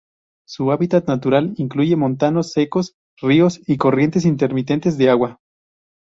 Su hábitat natural incluye montanos secos, ríos, y corrientes intermitentes de agua.